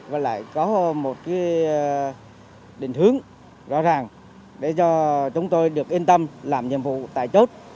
và lại có một định hướng rõ ràng để cho chúng tôi được yên tâm làm nhiệm vụ tại chốt